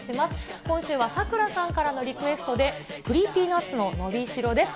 今週はさくらさんからのリクエストで、ＣｒｅｅｐｙＮｕｔｓののびしろです。